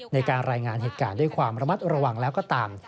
ในการรายงานเหตุการณ์ด้วยความระมัดระวังแล้วก็ตาม